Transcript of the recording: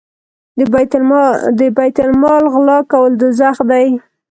د بیت المال غلا کول دوزخ دی.